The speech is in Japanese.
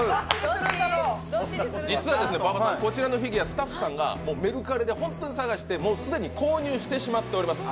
実は馬場さん、こちらのフィギュアスタッフさんがメルカリで本当に探して既に購入してしまっております。